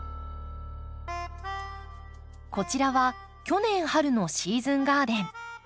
こちらは去年春のシーズンガーデン。